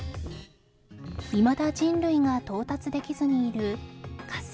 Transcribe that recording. いまだ人類が到達できずにいる火星